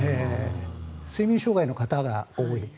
睡眠障害の方が多い。